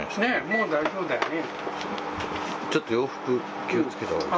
もう大丈夫だよね。